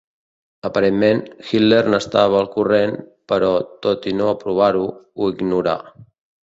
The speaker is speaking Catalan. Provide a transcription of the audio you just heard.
Aparentment, Hitler n'estava al corrent, però, tot i no aprovar-ho, ho ignorà.